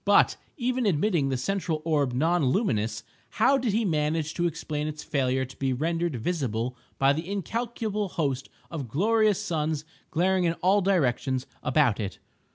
But even admitting the central orb non luminous, how did he manage to explain its failure to be rendered visible by the incalculable host of glorious suns glaring in all directions about it?